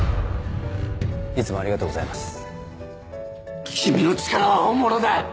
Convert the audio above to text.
いつもありがとうござい君の力は本物だ！